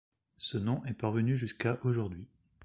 Ce nom est parvenu jusqu’à aujourd'hui.